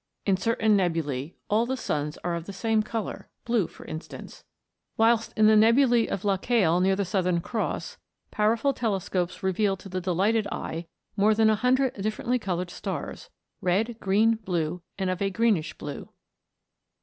In certain nebulae all the suns are of the same colour, blue for instance; whilst in the nebulae of Lacaille, near the Southern Cross, power ful telescopes reveal to the delighted eye. more than a hundred differently coloured stars red, green, blue, and of a greenish blue.